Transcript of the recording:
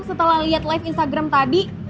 setelah lihat live instagram tadi